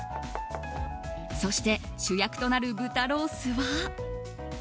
そして主役となる豚ロースは。